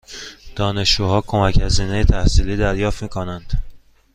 دانشجوها کمک هزینه تحصیلی دریافت می کنند؟